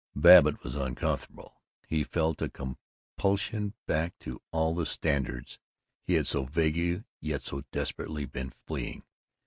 Babbitt was uncomfortable. He felt a compulsion back to all the standards he had so vaguely yet so desperately been fleeing.